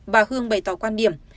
bà hương bày tỏ quan điểm